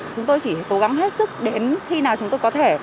chúng tôi chỉ cố gắng hết sức đến khi nào chúng tôi có thể